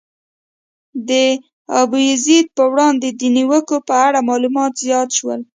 د ابوزید پر وړاندې د نیوکو په اړه معلومات زیات شول.